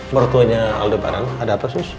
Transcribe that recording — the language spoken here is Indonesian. mertuanya aldebaran ada apa sus